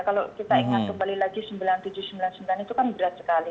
kalau kita ingat kembali lagi sembilan ribu tujuh ratus sembilan puluh sembilan itu kan berat sekali